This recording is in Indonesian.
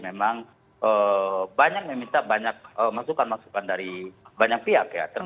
memang banyak meminta banyak masukan masukan dari banyak pihak ya